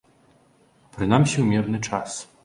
Прынамсі ў мірны час.